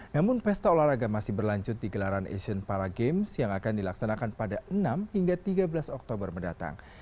namun pesta olahraga masih berlanjut di gelaran asian para games yang akan dilaksanakan pada enam hingga tiga belas oktober mendatang